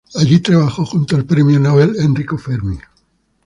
Allí trabajó junto al premio Nobel Enrico Fermi.